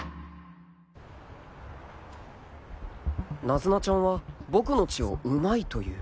ナズナちゃんは僕の血をうまいと言う